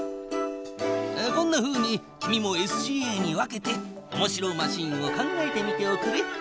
こんなふうに君もＳＣＡに分けておもしろマシンを考えてみておくれ。